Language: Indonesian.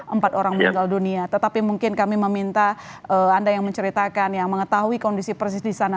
empat orang meninggal dunia tetapi mungkin kami meminta anda yang menceritakan yang mengetahui kondisi persis di sana